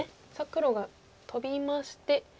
黒がトビまして。